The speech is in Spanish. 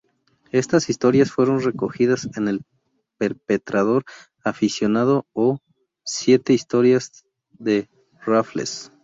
Estas historias fueron recogidas en "El Perpetrador Aficionado" o "siete historias de Raffles".